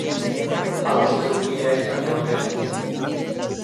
Hau ez duk nirea izango ordea.